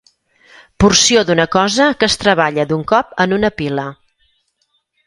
Porció d'una cosa que es treballa d'un cop en una pila.